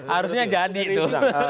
harusnya jadi itu